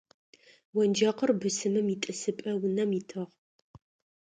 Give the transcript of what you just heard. Онджэкъыр бысымым итӏысыпӏэ унэм итыгъ.